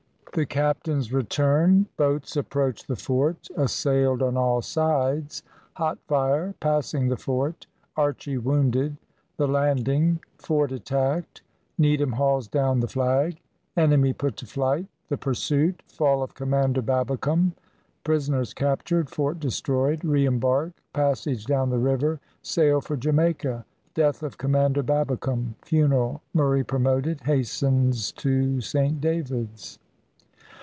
THE CAPTAIN'S RETURN BOATS APPROACH THE FORT ASSAILED ON ALL SIDES HOT FIRE PASSING THE FORT ARCHY WOUNDED THE LANDING FORT ATTACKED NEEDHAM HAULS DOWN THE FLAG ENEMY PUT TO FLIGHT THE PURSUIT FALL OF COMMANDER BABBICOME PRISONERS CAPTURED FORT DESTROYED RE EMBARK PASSAGE DOWN THE RIVER SAIL FOR JAMAICA DEATH OF COMMANDER BABBICOME FUNERAL MURRAY PROMOTED HASTENS TO SAINT DAVID'S.